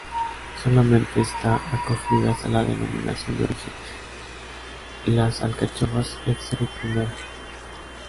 Solamente está acogidas a la Denominación de Origen, las alcachofas Extra y Primera.